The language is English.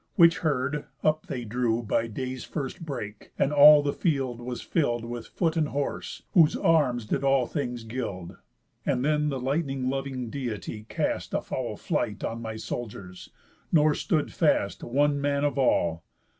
Which heard, up they drew By day's First break, and all the field was fill'd With foot and horse, whose arms did all things gild. And then the lightning loving Deity cast A foul flight on my soldiers; nor stood fast One man of all.